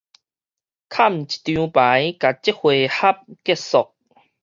崁一張牌，共這回合結束